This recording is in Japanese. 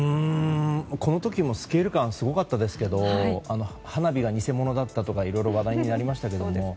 この時もスケール感がすごかったですけど花火が偽物だったとか、いろいろ話題になりましたけれども。